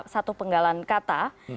satu penggalan kata